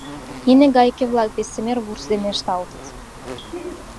Нине гайке-влак бессемер вурс дене ышталтыт.